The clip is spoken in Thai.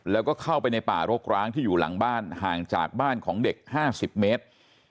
แล้วก็เข้าไปในป่ารกร้างที่อยู่หลังบ้านห่างจากบ้านของเด็ก๕๐เมตร